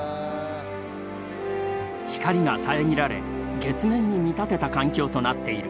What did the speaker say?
光が遮られ月面に見立てた環境となっている。